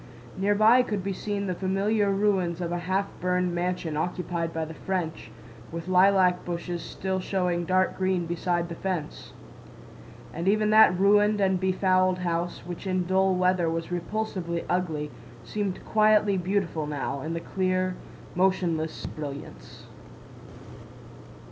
Near by could be seen the familiar ruins of a half burned mansion occupied by the French, with lilac bushes still showing dark green beside the fence. And even that ruined and befouled house—which in dull weather was repulsively ugly—seemed quietly beautiful now, in the clear, motionless brilliance.